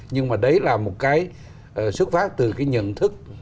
nhưng mà đấy là một cái xuất phát từ cái nhận thức